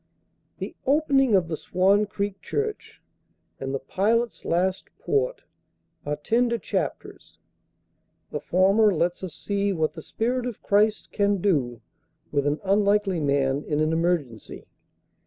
The "Opening of the Swan Creek Church," and "The Pilot's Last Port," are tender chapters. The former lets us see what the Spirit of Christ can do with an unlikely man in an emergency.